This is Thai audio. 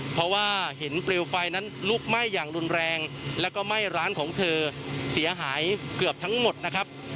เพราะว่าเห็นเปลวไฟนั้นลุกไหม้อย่างรุนแรงแล้วก็ไหม้ร้านของเธอเสียหายเกือบทั้งหมดนะครับ